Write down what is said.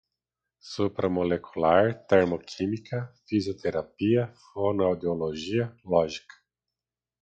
supramolecular, termoquímica, fisioterapia, fonoaudiologia, lógica